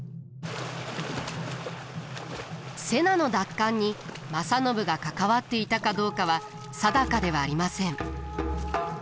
瀬名の奪還に正信が関わっていたかどうかは定かではありません。